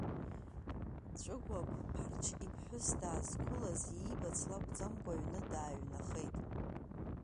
Ҵәыгәагә Ԥарч иԥҳәыс даазқәылаз, иибац лакәӡамкәа, аҩны дааҩнахеит.